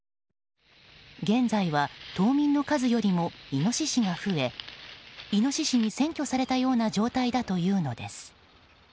現在は島民の数よりもイノシシが増えイノシシに占拠されたような状態だというのです。